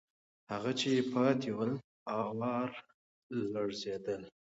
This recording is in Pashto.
هغه چې پاتې ول، آوار لړزېدل.